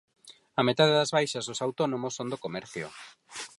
A metade das baixas dos autónomos son do comercio.